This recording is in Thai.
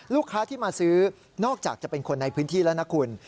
ลูกค้าที่มาซื้อนอกจากจะเป็นคนในพื้นที่แล้วนะคุณ